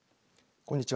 こんにちは。